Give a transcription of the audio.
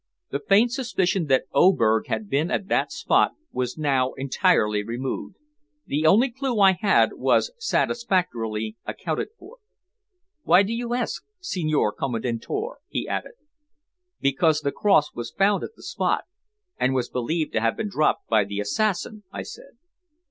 The faint suspicion that Oberg had been at that spot was now entirely removed. The only clue I had was satisfactorily accounted for. "Why do you ask, Signor Commendatore?" he added. "Because the cross was found at the spot, and was believed to have been dropped by the assassin," I said.